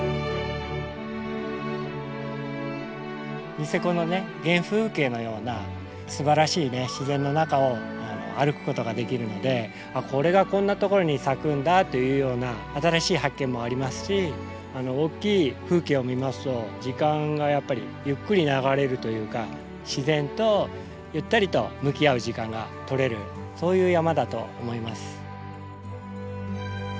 ニセコの原風景のようなすばらしい自然の中を歩くことができるのでこれがこんなところに咲くんだというような新しい発見もありますし大きい風景を見ますと時間がやっぱりゆっくり流れるというか自然とゆったりと向き合う時間がとれるそういう山だと思います。